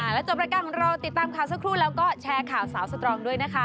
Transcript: แล้วจบรายการของเราติดตามข่าวสักครู่แล้วก็แชร์ข่าวสาวสตรองด้วยนะคะ